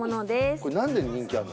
これ何で人気あるの？